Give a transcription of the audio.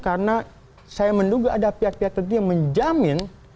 karena saya menduga ada pihak pihak tertentu yang menjamin